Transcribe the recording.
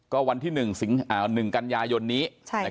ก็วันที่๑กันยายนนี้